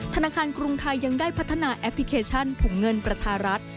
ธนาคารกรุงไทยยังได้พัฒนาแอปพลิเคชันถุงเงินประชารัฐ